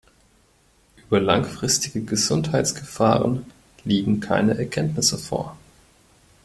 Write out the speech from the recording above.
Über langfristige Gesundheitsgefahren liegen keine Erkenntnisse vor.